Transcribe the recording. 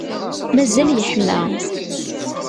Mazal yeḥma.